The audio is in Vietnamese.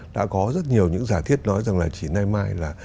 đã có rất nhiều những giả thiết nói rằng là chỉ nay mai là